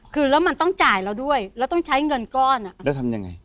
คือแล้วมันต้องจ่ายเราด้วยแล้วต้องใช้เงินก้อนอ่ะแล้วทำยังไง